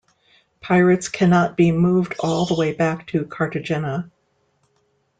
Pirates cannot be moved all the way back to Cartagena.